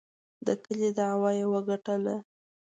د کلي دعوه یې وګټله.